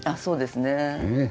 そうですね。